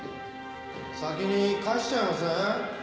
先に返しちゃいません？